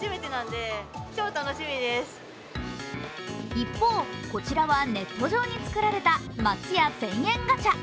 一方、こちらはネット上につくられた松屋１０００円ガチャ。